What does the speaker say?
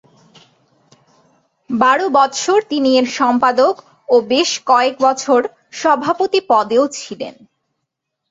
বারো বৎসর তিনি এর সম্পাদক ও বেশ কয়েক বছর সভাপতি পদেও ছিলেন।